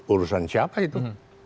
urusan siapa itu